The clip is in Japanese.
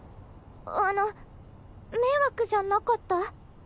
あの迷惑じゃなかった？